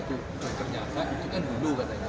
tapi ternyata itu dulu